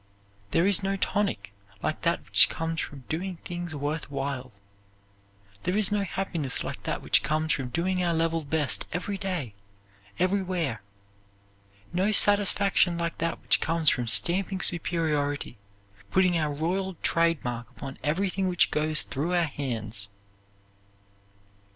There is no tonic like that which comes from doing things worth while. There is no happiness like that which comes from doing our level best every day, everywhere; no satisfaction like that which comes from stamping superiority, putting our royal trade mark upon everything which goes through our hands.